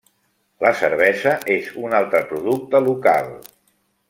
La cervesa és un altre producte local.